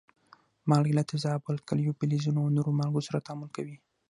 مالګې له تیزابو، القلیو، فلزونو او نورو مالګو سره تعامل کوي.